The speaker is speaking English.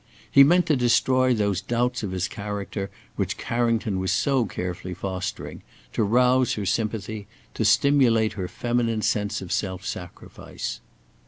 He meant to destroy those doubts of his character which Carrington was so carefully fostering, to rouse her sympathy, to stimulate her feminine sense of self sacrifice.